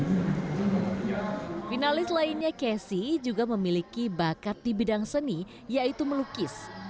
dia juga memiliki kemampuan untuk melakukan pelajaran dan berpengalaman yang sangat dekat di bidang seni yaitu melukis